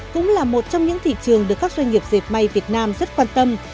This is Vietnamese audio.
cũng là một trong những thị trường được các doanh nghiệp dệt may việt nam rất quan tâm